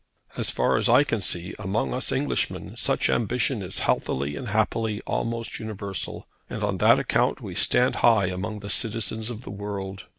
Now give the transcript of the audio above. As far as I can see, among us Englishmen such ambition is healthily and happily almost universal, and on that account we stand high among the citizens of the world.